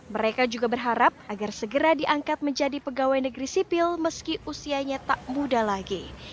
mereka juga berharap agar segera diangkat menjadi pegawai negeri sipil meski usianya tak muda lagi